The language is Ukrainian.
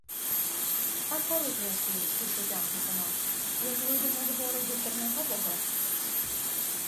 — А коли князь київський потягне по нас, як вийдемо з городу Чернегового?